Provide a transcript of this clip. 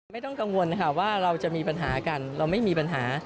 ไม่ต้องกังวลค่ะว่าเราจะมีปัญหากันเราไม่มีปัญหา